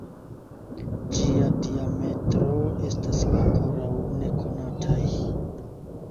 Ĝia diametro estas ankoraŭ nekonataj.